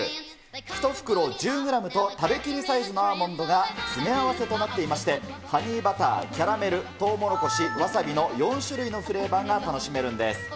１袋１０グラムと、食べきりサイズのアーモンドが詰め合わせとなっていまして、ハニーバター、キャラメル、トウモロコシ、わさびの４種類のフレーバーが楽しめるんです。